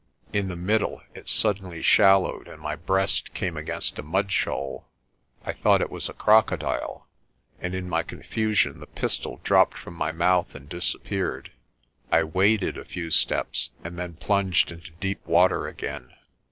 In the middle it suddenly shallowed and my breast came against a mudshoal. I thought it was a crocodile, and in my confusion the pistol dropped from my mouth and dis appeared. I waded a few steps and then plunged into deep water again.